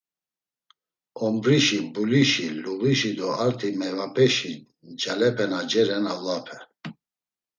Ombrişi, mbulişi, luğişi do arti meyvapeşi ncalepe na ceren avlape…